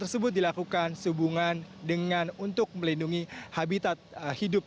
tersebut dilakukan sehubungan dengan untuk melindungi habitat hidup